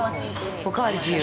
おかわり自由？